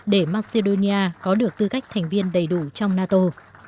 để macedonia có được tư cách thành viên đầy đủ trong nato